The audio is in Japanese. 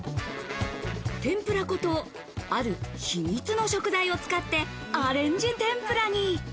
天ぷら粉とある秘密の食材を使ってアレンジ天ぷらに。